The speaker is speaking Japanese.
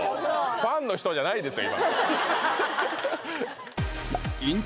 ファンの人じゃないですよ